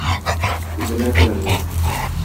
Күземә күренмә!